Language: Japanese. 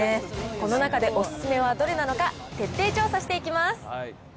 この中でお勧めはどれなのか、徹底調査していきます。